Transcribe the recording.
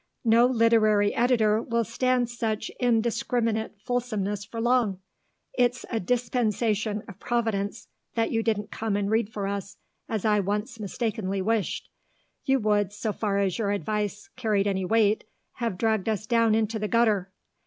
"No literary editor will stand such indiscriminate fulsomeness for long.... It's a dispensation of providence that you didn't come and read for us, as I once mistakenly wished. You would, so far as your advice carried any weight, have dragged us down into the gutter.